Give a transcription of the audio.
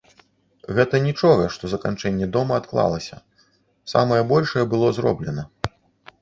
Гэта нічога, што заканчэнне дома адклалася, самае большае было зроблена.